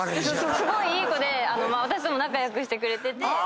すごいいい子で私とも仲良くしてくれてて。